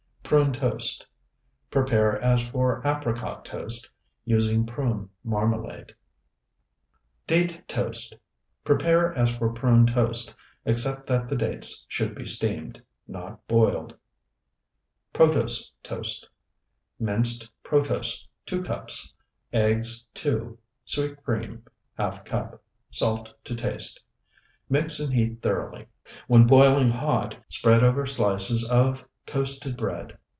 PRUNE TOAST Prepare as for apricot toast, using prune marmalade. DATE TOAST Prepare as for prune toast, except that the dates should be steamed, not boiled. PROTOSE TOAST Minced protose, 2 cups. Eggs, 2. Sweet cream, ½ cup. Salt to taste. Mix and heat thoroughly; when boiling hot spread over slices of Toasted bread.